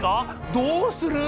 どうする？